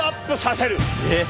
えっ？